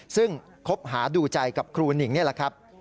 ซึ่งคบหาดูใจกับครูหนิงนี่แหละครับ